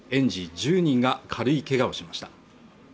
１０人が軽いけがをしました